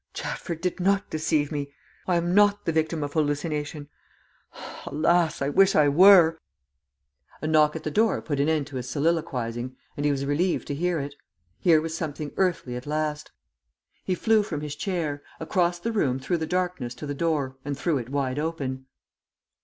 "Chatford did not deceive me. I am not the victim of hallucination. Alas! I wish I were." A knock at the door put an end to his soliloquizing, and he was relieved to hear it. Here was something earthly at last. He flew from his chair across the room through the darkness to the door and threw it wide open.